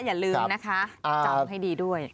อย่าลืมนะคะจำให้ดีด้วย